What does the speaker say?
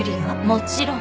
もちろん。